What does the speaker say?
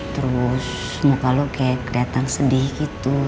terus muka lo kayak keliatan sedih gitu